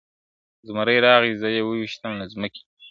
زمری راغی زه یې وویشتم له مځکي ,